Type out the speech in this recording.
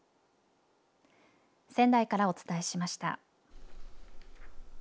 仙台からお伝えしました。